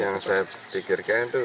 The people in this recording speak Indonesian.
yang saya pikirkan itu